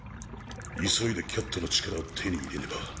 急いでキャットの力を手に入れねば。